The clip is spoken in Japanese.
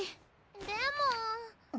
でも！